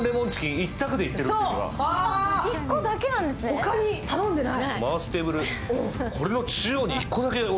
他に頼んでない。